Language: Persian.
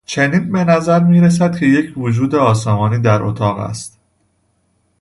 چنین به نظر میرسید که یک وجود آسمانی در اتاق است.